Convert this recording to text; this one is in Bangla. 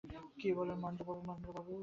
আমার নিজ জীবনের একটু অভিজ্ঞতা জানাইতেছি।